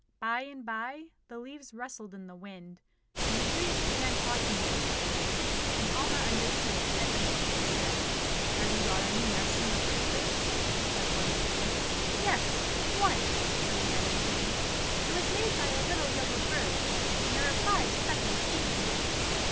By and by the leaves rustled in the wind, and the trees began talking to each other, and Alma understood everything they said. "Have you got any nests in your branches?" said one tree. "Yes, one," said the other tree. "It was made by a little yellow bird, and there are five speckled eggs in it."